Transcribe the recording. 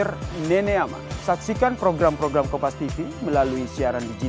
berarti ada beberapa follow yang saya dengar